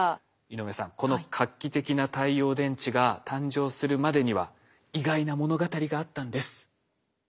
井上さんこの画期的な太陽電池が誕生するまでには意外な物語があったんです。